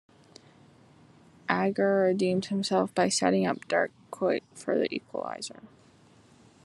Agger redeemed himself by setting up Dirk Kuyt for the equaliser.